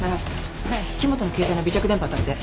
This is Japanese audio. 木元の携帯の微弱電波当たって。